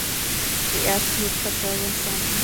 Die ersten Nutzfahrzeuge entstanden.